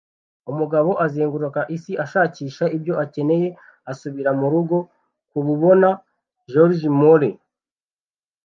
umugabo azenguruka isi ashakisha ibyo akeneye, asubira mu rugo kububona. - george moore